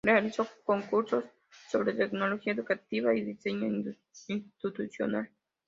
Realizó cursos sobre tecnología educativa y diseño institucional.